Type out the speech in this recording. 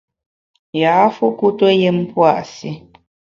Ya’fu kuteyùm pua’ si.